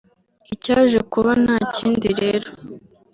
Icyaje kuba nta kindi rero